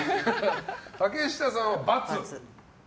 竹下さんは×。